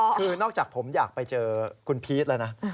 คือนอกจากผมอยากไปเจอคุณพีชแล้วนะ